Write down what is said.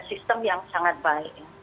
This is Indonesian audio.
sistem yang sangat baik